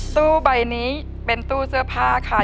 ตู้ใบนี้เป็นตู้เสื้อผ้าค่ะ